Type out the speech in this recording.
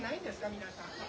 皆さん。